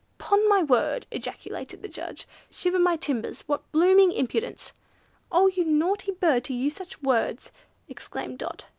"'Pon my word!" ejaculated the judge. "Shiver my timbers. What blooming impudence!" "Oh you naughty bird to use such words!" exclaimed Dot.